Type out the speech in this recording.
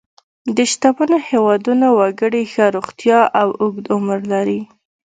د شتمنو هېوادونو وګړي ښه روغتیا او اوږد عمر لري.